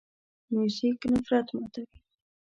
موزیک نفرت ماتوي.